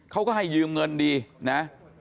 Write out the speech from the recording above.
เขาก็ให้ยืมเงินดีนะ